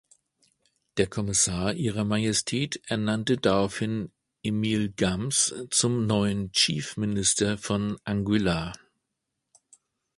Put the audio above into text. Der Kommissar Ihrer Majestät ernannte daraufhin Emile Gumbs zum neuen Chief Minister von Anguilla.